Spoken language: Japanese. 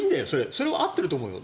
それは合ってると思うよ。